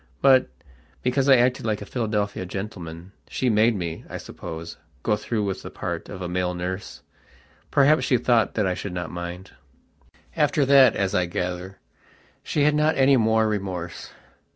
But, because I acted like a Philadelphia gentleman, she made me, I suppose, go through with the part of a male nurse. Perhaps she thought that I should not mind. After that, as I gather, she had not any more remorse.